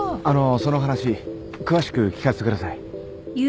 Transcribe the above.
あのその話詳しく聞かせてください。